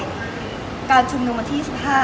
ฮการชุดมุมที่๒๕